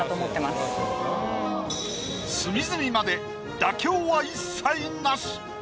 隅々まで妥協は一切なし！